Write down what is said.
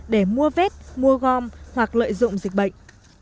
để mua vết mua gom hoặc lợi dụng dịch bệnh